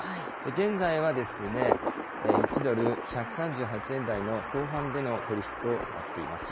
現在は、１ドル１３８円台の後半での取り引きとなっています。